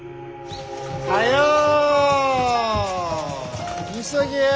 早う急げや。